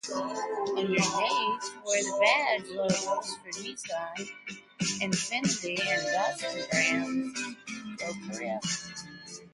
Underneath were the "badge" logos for the Nissan, Infiniti and Datsun brands.